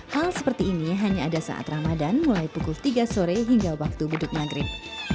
hal seperti ini hanya ada saat ramadan mulai pukul tiga sore hingga waktu budut maghrib